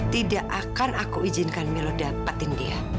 tidak akan aku izinkan milo dapetin